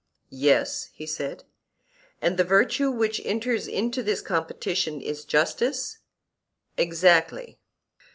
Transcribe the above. Yes, he said. And the virtue which enters into this competition is justice? Exactly.